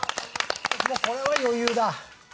これは余裕だ。